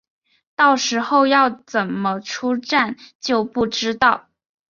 到时候要怎么出站就不知道